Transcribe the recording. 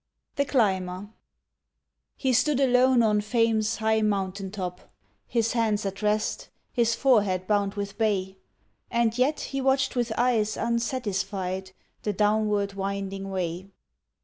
THE CLIMBER He stood alone on Fame's high mountain top, His hands at rest, his forehead bound with bay; And yet he watched with eyes unsatisfied The downward winding way.